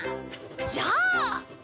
じゃあ！